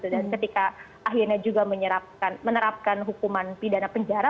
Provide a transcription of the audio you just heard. dan ketika akhirnya juga menerapkan hukuman pidana penjara